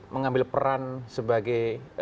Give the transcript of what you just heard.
mengambil peran sebagai